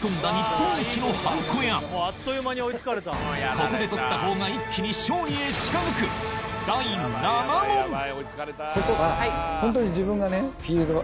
ここで取った方が一気に勝利へ近づくここはホントに。